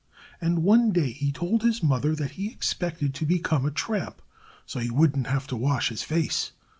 And one day he told his mother that he expected to become a tramp, so he wouldn't have to wash his face.